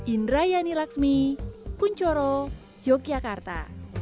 indrayani laksmi kunchoro yogyakarta